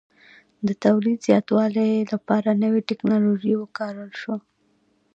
د تولید زیاتوالي لپاره نوې ټکنالوژي وکارول شوه